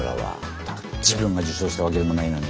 自分が受賞したわけでもないのに。